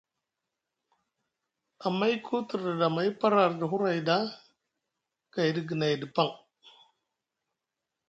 Amayku te rɗaɗi amay par arɗi huray ɗa gayɗi guinay ɗa paŋ.